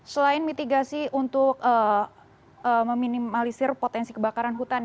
selain mitigasi untuk meminimalisir potensi kebakaran hutan